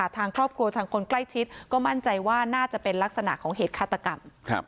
ทางครอบครัวทางคนใกล้ชิดก็มั่นใจว่าน่าจะเป็นลักษณะของเหตุฆาตกรรม